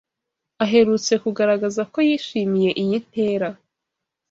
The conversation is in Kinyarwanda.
aherutse kugaragaza ko yishimiye iyi ntera